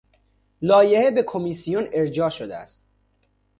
لایحه به کمیسیون ارجاع شده است.